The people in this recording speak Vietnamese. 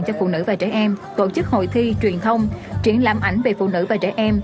cho phụ nữ và trẻ em tổ chức hội thi truyền thông triển lãm ảnh về phụ nữ và trẻ em